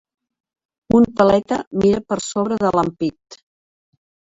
Un paleta mira per sobre de l'ampit.